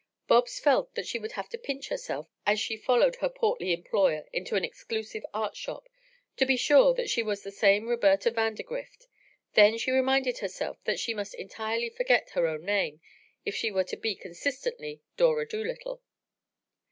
Bobs felt that she would have to pinch herself as she followed her portly employer into an exclusive art shop to be sure that she was that same Roberta Vandergrift. Then she reminded herself that she must entirely forget her own name if she were to be consistently Dora Dolittle.